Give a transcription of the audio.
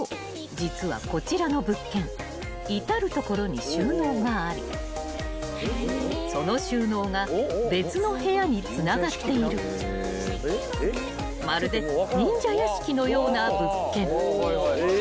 実はこちらの物件至る所に収納がありその収納が別の部屋につながっているまるで忍者屋敷のような物件］